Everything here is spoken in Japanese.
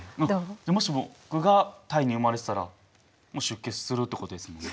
もし僕がタイに生まれてたら出家するってことですもんね。